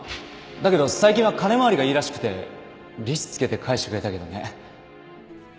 だけど最近は金回りがいいらしくて利子付けて返してくれたけどね。